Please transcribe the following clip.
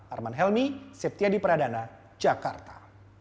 arman helmy siptyadi pradana jakarta